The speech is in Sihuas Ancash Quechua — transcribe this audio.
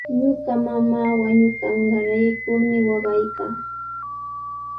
Ñuqa mamaa wañunqanraykumi waqaykaa.